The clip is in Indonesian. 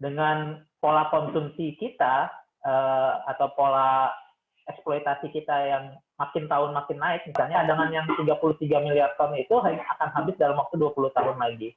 dengan pola konsumsi kita atau pola eksploitasi kita yang makin tahun makin naik misalnya adangan yang tiga puluh tiga miliar ton itu akan habis dalam waktu dua puluh tahun lagi